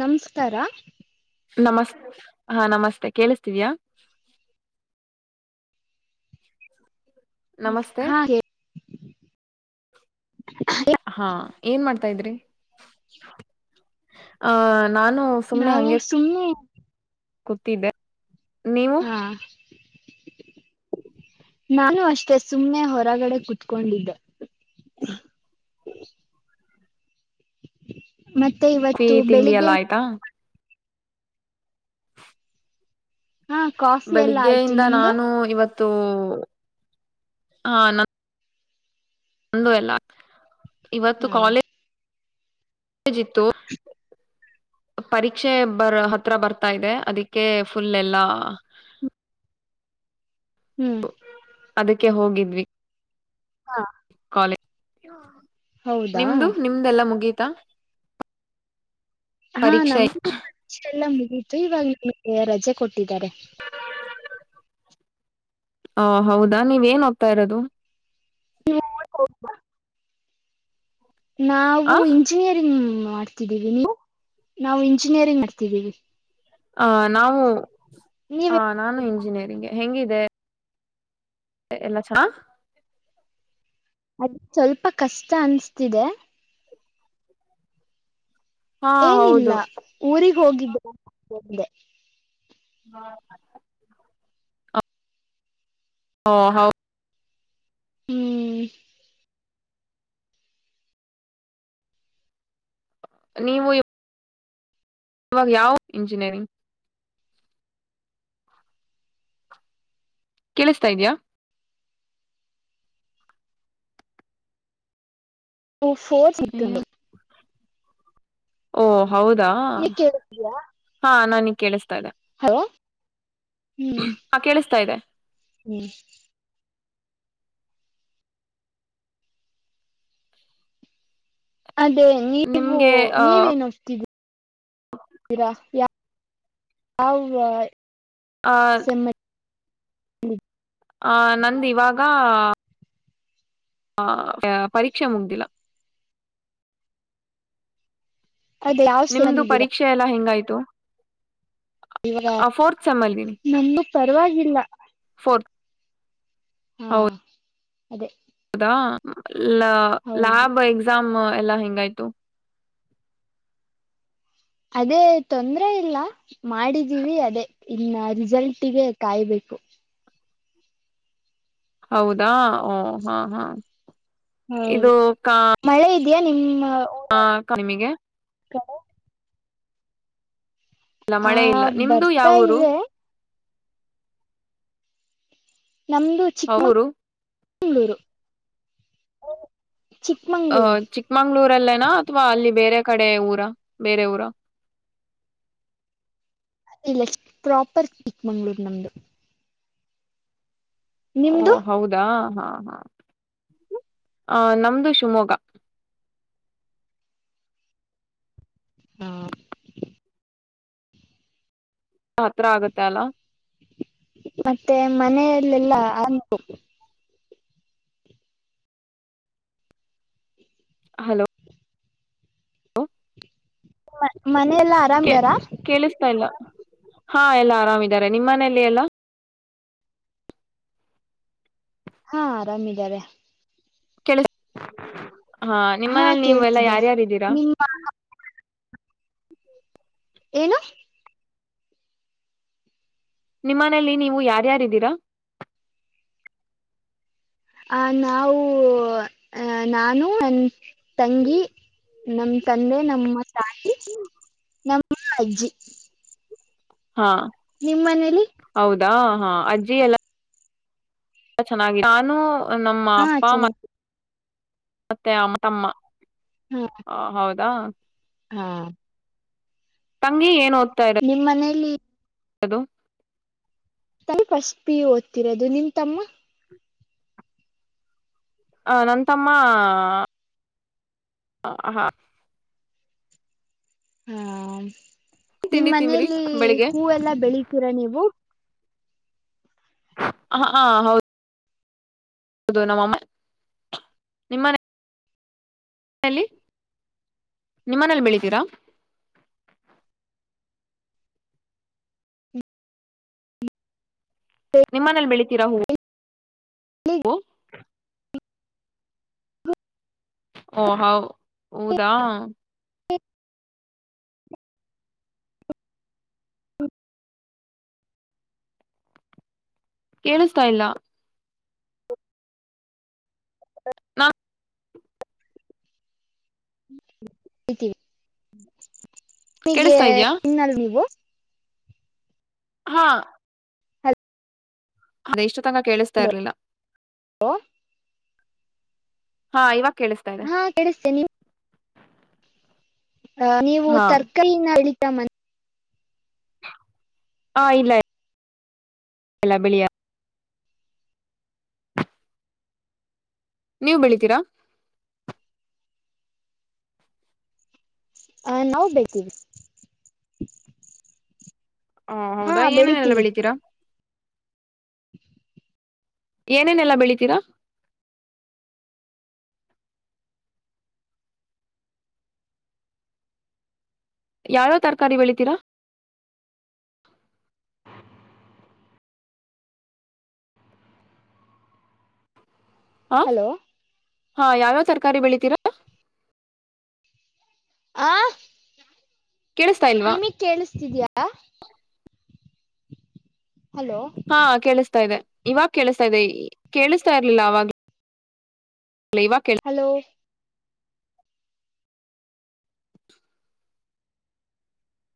ನಮಸ್ಕಾರ ನಮಸ್ ಹಾ ನಮಸ್ತೆ ಕೇಳಿಸ್ತವ್ಯಾ ಹ್ಮ ನಮಸ್ತೆ ಹಾಗಾ ಹೇಳ [inaudible] ಹಾ ಏನ್ ಮಾಡ್ತಾ ಇದ್ರಿ ಆ ನಾನು ಸುಮ್ನೆ ನಾವು ಹಗೆ ಸುಮ್ನೆ ಕೂತಿದ್ದೆ ನೀವು ಹಾ ನಾನು ಅಷ್ಟೆ ಸುಮ್ಮ್ನೆ ಹೊರಗಡೆ ಕುತ್ಕೊಂಡಿದ್ದೆ ಮತ್ತೆ ಟೀ ಇವತ್ತು ತಿಂಡಿ ಬೆಳಿಗ್ಗೆ ಎಲ್ಲ ಆಯ್ತಾ ಹಾ ಕಾಫಿ ಎಲ್ಲ ಆಯ್ತು ಬೆಳಿಗ್ಗೆಯಿಂದ ನಿಮ್ದು ನಾನು ಇವತ್ತು ಹಾ ನ ಒಂದು ಎಲ್ಲ ಇವತ್ತು ಹ್ಮ್ ಕಾಲೇಜ್ ಕಾಲೇಜ್ ಇತ್ತು ಪರೀಕ್ಷೆ ಬರ್ ಹತ್ರ ಬರ್ತಾ ಇದೆ ಅದಕ್ಕೆ ಫುಲ್ ಎಲ್ಲ ಹ್ಮ್ ಅದಕ್ಕೆ ಹೋಗಿದ್ವಿ ಹ ಕಾಲಿ ಹ ಹ ಹೌದಾ ನಿಮ್ದು ನಿಮ್ದೆಲ್ಲಾ ಮುಗೀ ತ್ತ ಹಾ ನಮಗೂಷ ಎಲ್ಲ ಮು ಇತ್ತು ಇವಾಗ ರಜೆ ಕೊಟ್ಟಿದ್ದಾರೆ ಹ ಹೌದಾ ನೀವ್ ಏನ್ ಹೋಗ್ತಾ ಇರೋದು ನೀ ಹ ನಾವು ಆ ಇಂಜಿನಿಯರಿಂಗ್ ಮಾಡ್ತಿದ್ದೀರಿ ನೀವು ನಾವು ಇಂಜಿನಿಯರಿಂಗ್ ದ್ದೀರಿ ಆ ನಾವು ನೀವ ಹ ನಾನು ಇಂಜಿನಿಯರಿಂಗ್ಗೆ ಹೆಂಗ [inaudible] ಎಲ್ಲಾ ಚಾ ಅದ ಸ್ವಲ್ಪ ಕಷ್ಟ ಅನ್ಸ್ತಿದೆ ಹಾ ಏನಿಲ್ಲ ಹೌದು ಊರಿಗ್ ಹೋಗಿದ್ದೆ [inaudible] ಹಾ [inaudible] ಹಾ ಹೌ ಹ್ಮ್ ನೀವು ಇವಾಗ ಯಾವ ಇಂಜಿನಿಯರಿಂಗ್ ಕೇಳಿಸ್ತಾ ಇದ್ಯಾ ಫೋ [unintelligible] ಹೂ ಹೌದಾ ನೀ ಕೇಳಿದ್ಯಾ ಹಾ ನಾನ ಕೇಳಿಸ್ತಾ ಇದೆ ಹಲೋ ಹ್ಮ್ ಹ ಕೇಳಿಸ್ತಾ ಇದೆ ಹ್ಮ್ ಅದೇ ನೀವು ನಿಮ್ಗೆ ಅ ನೀವೇನ್ ಓದು ಯ ಯಾವ ಆ ಹ್ಮ್ ಆ ನಂದ ಇವಾಗ ಹ ಪರೀಕ್ಷೆ ಮುಗ್ದಿಲ್ಲ ಅದೇ ಯಾವ ನಿಮ್ದು ಸೆಮಲ್ಲಿದ್ದೀರಾ ಪರೀಕ್ಷೆ ಎಲ್ಲಾ ಹೆಂಗಾಯ್ತು ಇವಾಗ ಆ ಫೋರ್ತ್ ಸೆಮ್ಮಾಲಿ ನಮ್ದು ಪರವಾಗಿಲ್ಲ ಹ ಹಾ ಅದೇ ಹಾ ಇ ಹೌದು ಲಾಭ ಎಕ್ಸಾಮ್ ಪಲ್ಲ ಹೆಂಗಾಯತು ಅದೇ ತೊಂದ್ರ ಇಲ್ಲ ಮಾಡಿದೀವಿ ಅದೇ ಇನ್ನ ರಿಸಲ್ಟಗೆ ಕಾಯ್ಬೇಕು ಹೌದಾ ಓ ಹಾ ಹಾ ಇದು ಕಾ [inaudible] ನಿಮ್ ಹಾ ನಿಮಗೆ ಹ [inaudible] ಇಲ್ಲ ಆ ಮಳೆ ಇಲ್ಲ ನಿಮ್ದು ಬರ್ತಾ ಯಾವಊರು ಇದೆ ನಮ್ಮದು ಊರು ಚಿಕ್ಕಮಗಳೂರು ಅಹ ಚಿಕ್ಕಮಂಗ್ಳೂರು ಚಿಕ್ಕಮಂಗ್ಳೂರಲ್ಲನಾ ಅಥ್ವಾ ಅಲ್ಲಿ ಬೇರೆ ಕಡೆ ಊರ ಬೇರೆ ಊರ ಇಲ್ಲ ಪ್ರಾಪರ್ ಚಿಕ್ ಮಂಗ್ಗಳೂರ್ ನಮ್ದು ಓ ನಿಮ್ದು ಹೌದಾ ಹ ಹಾ ಹಾ ಆ ನಮ್ದು ಶಿವಮೊಗ್ಗ ಹಾ ಹತ್ರ ಆಗತ್ತೆ ಅಲ್ಲ ಮತ್ತೆ ಮನೆಯಲ್ಲೆಲ್ಲು ಹಲೋ ಹ [inaudible] ಹ [inaudible] ಮನೆಯ ಎಲ್ಲಾ ಆರಾಮ್ ಧಾರ ಕೇಳಿಸ್ತಾ ಇಲ್ಲ ಹಾ ಎಲ್ಲ ಆರಾಮಿದ್ದಾರೆ ನಿಮ್ಮ್ ಮನೆಯಲ್ಲಿ ಎಲ್ಲ ಹಾ ಆರಾಮಿದ್ದಾರೆ ಕೇಳಿ ಹಾ ನಿಮ್ಮನೇಲಿ ನೀವೆ ಎಲ್ಲಾ ಯಾರ್ಯಾರಿದ್ದೀರಾ ನಿಮ್ಮ ಏನು?. ನಿಮ್ಮನೆಯಲ್ಲಿ ನೀವು ಯಾರ್ಯಾರಿದ್ದೀರಾ. - ಆ ನಾವು ಅ ನಾನು ನನ್ ತಂಗಿ, ನಮ ತಂದೆ ನಮ್ಮ ತಾಯಿ, ನಮ್ಮ ಅಜ್ಜಿ, - ನಿಮ್ಮ್ ಮನೇಲಿ., - ದಾ ಹಾ ಅ್ ಅಲ್ಲ [inaudible] ಚೆನ್ನ ನಾನು [unintelligible] ನಮ್ಮ ಹಾ ಅಪ್ಪಾ, ಮ- ಚೆನ್ನಾಗಿ ಮತ್ತೆ ಅಮ್ಮ, ತಮ್ಮ, ಹಾ - ಹ, ಹೌದು,,, ಹಾ [inaudible] ಹಾ [inaudible] ತಂಗಿ ಏನೋ- ನಿಮ್ ಮನೇಲಿ., - ಹಲೋ, ತ ಪಷ್ಟ ಪಿ ಓದ್ತಿರೋದು ನಿಂತಮ್ಮ., - ಆ ನ ತಮ್ಮ ಹ [inaudible] ಹಾ, ನಿಮ್ಮ್ ತಿಂಡಿ ತಿಂದ್ರಿ ಮನೇೆಯಲ್ಲಿ ಬೆಳಿಗ್ಗೆ ಹೂವೆಲ್ಲ ಬೆಳಿತೀರಾ ನೀವು. - ಹ ಹಾ, ಹೌದು., - ಹೌದು ನಮ್ಮಮ್ಮ ನಿಮ್ಮನೆ- ಲ್ಲಿ ನಿಮ್ಮನೇಲ್ಲಿ ಬೆಳಿತೀರಾ. - ನಿಮ್ಮನೇಲಿ ಬೆಳಿತ [unintelligible] ರ [inaudible] ಓ ಹ, ಹೌದಾ,,,, - ಕೇಳಿಸತಾ ಇಲ್ಲ. ನಾ [inaudible] ಹವಿ [unintelligible] ನಿಗೆ ಕೇಳಿಸ್ತಾ ಇದ್ಯಾ ಇನ್ನಲ್ ನೀವು. - ಹಾ,, ಅರೆಷ್ಟ [inaudible] ತಂಗ ಕೇಳಿಸ್ತಾ ಇರ್ಲಿಲ್ಲ. - ಹಲೋ ಹಾ, ಇವತ್ತು- ಹಾ ಕಿಸೇ ನಿ ನೀವು ಹಾ ತರ್ಕಿನ [inaudible] ಮ [inaudible] ಹಾ, ಇಲ್ಲ- ಲ್ಲ ಬೆಳಿಯ [inaudible] ನೀವು ಬೆಳಿತೀರಾ ಹ ನಾವು ಬೇಕಿವ- [unintelligible] ಹ ಹೌದಾ ಏನೇನೆಲ್ಲ ಬೆಳಿತೀರಾ.. - [unintelligible] [unintelligible] ಏನೇನೆಲ್ಲ ಬೆಳಿತೀರಾ ಯಾವ್ಯಾವ ತರಕಾರಿ ಬೆಳಿತೀರಾ ಹ ಹಲೋ ಹಾ ಯಾವ್ಯಾವ್ ತರಕಾರಿ ಬೆಳಿತೀರಾ ಆ ಕೇಳಿಸ್ತಾ ಇಲ್ವಾ ನಿಮಗ್ ಕೇಳಸ್ ಿದಿಯಾ ಹಾ ಕೇಳಿಸ್ತಾ ಇದೆ ಇವಾಗ ಕೇಳಿಸಸ್ತಾ ಇದೆ ಕೇಳಿಸತಾ ಇರ್ಲಿಲ್ಲ ಅವಾಗ ಇವಾಗ ಕೇಳ ಹಲೋ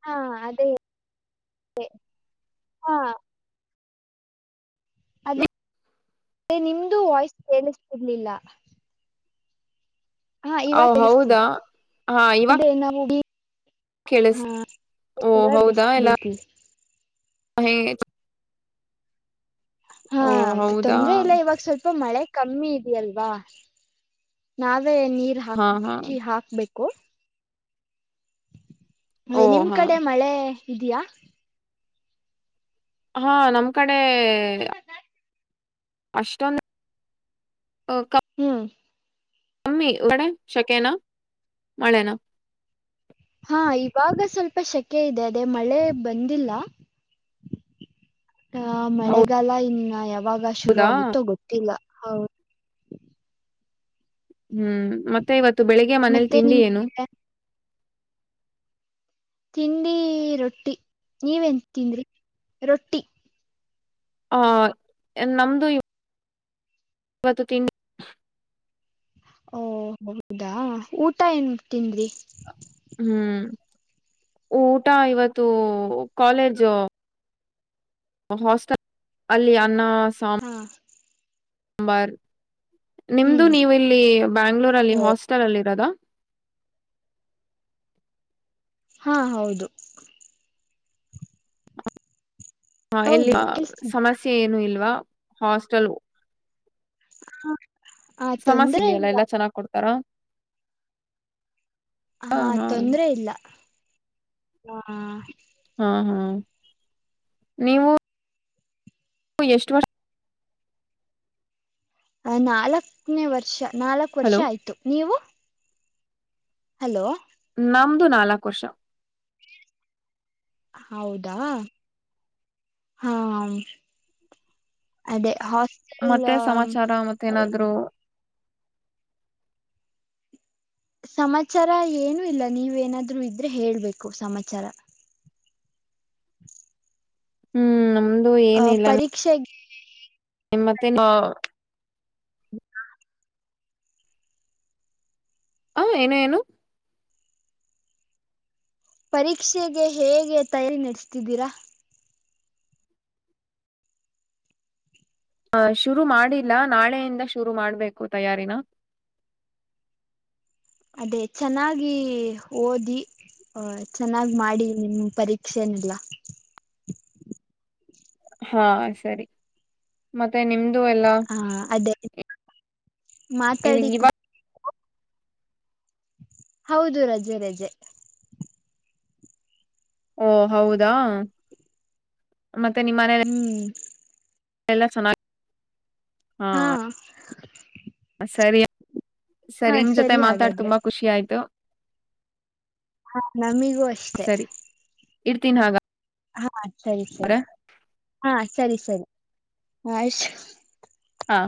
ಹಾ ಅದೇ ಹಾ ಅದ ನಿಮ್ದೂ ವಾಯ್ಸ್ ಕೇಳಿಸ್ತಿರ್ಲಿಲ್ಲ ಹಾ ಹೊ ಇವಾಗ ಹೌದಾ ಕೇಳಿಸ್ತೀವಿ ಹಾ ಇವ ಹಾ [unintelligible] ಬೇಕ ಹ ಹಾ ಹೌದಾ ತೊಂದ್ರೆ ಇಲ್ಲ ಇವಾಗ ಸ್ವಲ್ಪ ಮಳೆ ಕಮ್ಮಿ ಇದಲ್ವಾ ನ ಆದ್ರೆ ನೀರ್ ಹಾ ಹಾ ಹಾಕಿ ಹಾಕ್ಬೇಕು ಕೂ ಮತ್ತೆ ಓ ನಿಮ್ ಹಾ ಕಡೆ ಮಳೆ ಇದಯಾ ಹಾ ನಮ ಕಡೆ ಅಷ್ಟಂದು ಹ್ಮ್ ಮಮ್ಮಿ ಹಿಕ್ಡೆೆ ಶಕೆ ನ ಮಳೆ ನ ಹಾ ಇವಾಗ ಸ್ವಲ್ಪ ಶಕೆ ಇದೆ ಅದೇ ಮಳೆ ಬಂದಿಲ್ಲ ಹ ಮಳೆಗಾಲ ಇನ್ನು ಹ ಯಾಗ ಶುರು ಹೌದಾ ಆಗುತ್ತೋ ಗೊತ್ತಿಲ್ಲ ಹೌ ಹ್ಮ್ ಮತ್ತೆ ಇವತ್ತು ಬೆಳಿಗ್ಗೆ ಮನೇಲಿ ಮತ್ತೆ ತಿಂಡಿ ಏನು ನಿಮಗೆ ತಿಂಡಿ ರೊಟ್ಟಿ ನೀವನ್ ತಿಂದ್ರಿ ರೊಟ್ಟಿ ಹ ನಮ್ದು ಇವತ್ತು ತಿಂಡಿ ಓ ಹೌದಾ ಊಟ ಏನ್ ತಿಂದ್ರಿ ಹ್ಮ್ ಊಟ ಇವತ್ತು ಕಾಲೇಜು ಹಾಸ್ಟೆಲ್ ಅಲ್ಲಿ ಅನ್ನ ಹಾ ಸಂಬಾರ್ ನಿಮ್ದು ಹ್ಮ್ ನೀವು ಇಲ್ಲಿ ಬ್ಯಾಂಗ್ಳೂರಲ್ಲಿ ಓ ಹಾಸ್ಟೆಲ್ ಅಲ್ಲಿ ಇರೋದ ಹಾ ಹೌದು ಹಾ ಎಲ್ಲಿ ಹೌದು ಕೇಳಿಸ್ತಿದ್ಯಾ ಸಮಸ್ಯೆ ಏನು ಇಲ್ವಾ ಹಾಸ್ಟಲ್ ಹ [inaudible] ಸಮಸಂಡಿಯಲ್ಲ ಎಲ್ಲ ಚನ್ನಾಗ್ ಕೊಡ್ತಾರೆ ಕಾರೋ [unintelligible] ಹಾ ತೊಂದ್ರೆ ಇಲ್ಲ ಹಾ ಹಾ ಹಾ ನೀವು ಎಷ್ಟ ವರ್ಷ ಅ ನಾಲ್ಕನೇ ವರ್ಷ ನಾಲ್ಕು ವರ್ಷ ಹಲೋ ಆಯಿತು ನೀವು ಹಲೋ ನಮ್ದು ನಾಲ್ಕು ವರ್ಷ ಹೌದಾ ಹಾ ಅದೇ ಹಾಸ್ಟೆಲ್ ಮತ್ತೆ ಸಮಾಚಾರ ಮತ್ತೇಏನಾದ್ರು ಸಮಾಚಾರ ಏನು ಇಲ್ಲ ನೀವೇಏನಾದ್ರು ಇದ್ರೆ ಹೇಳ್ಬೇಕು ಸಮಾಚಾರ ಹ್ಮ್ ಅ ಏನಿಲ್ಲ ಪರೀಕ್ಷೆಗೆೆ ಹ [inaudible] ನಿಮ್ ಮತ್ತೆ ಹ ಏನು ಏನು ಪರೀಕ್ಷೆಗೆ ಹೇಗೆ ತಯಾರಿ ನಡೆಸ್ತಿದ್ದೀರಾ ಹ ಶುರು ಮಾಡಿಲ್ಲ ನಾಳೆಯಿಂದ ಶುರು ಮಾಡ್ಬೇಕು ತಯಾರಿನ ಅದೇ ಚೆನ್ನಾಗಿ ಓದಿ ಅ ಚೆನ್ನಾಗಿ ಮಾಡಿ ನಿಮ ಪರೀಕ್ಷೆನೆಲ್ಲ ಹಾ ಸರಿ ಮತ್ತೆ ಮತ್ತೆ ನಿಮ್ದು ಎಲ್ಲ ಹ ಅದೇ ಮಾತಾಡಿ ಕು ಹೌದು ರಜೆ ರಜೆ ಓ ಹೌದಾ ಮತ್ತೆ ನಿಮ್ಮ ಮನೇ ಹ್ಮ್ ಲ್ಲ ಚನ್ನ ಹಾ ಸರಿ ಹಾ ಸರಿ ನಿಮ್ ಜೊತೆ ಮಾತಾಡ್ ಹಾಗಾದ್ರೆ ತುಂಬಾ ಖುಷಿ ಆಯ್ತು ಹ ನಮಿಗು ಅಷ್ಟ ಇಡ್ತೀನ ಹಾಗ ಹೌ ಹಾ ಸರಿ ಸರಿ ಹಾ ಸರಿ ಸರಿ ಆಯ್ತು ಹಾ